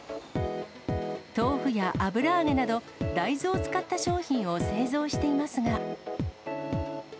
豆腐や油揚げなど、大豆を使った商品を製造していますが。